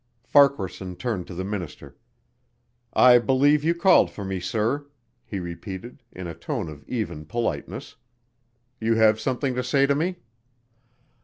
Farquaharson turned to the minister, "I believe you called for me, sir," he repeated, in a tone of even politeness. "You have something to say to me?"